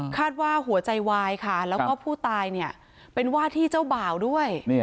ว่าหัวใจวายค่ะแล้วก็ผู้ตายเนี่ยเป็นว่าที่เจ้าบ่าวด้วย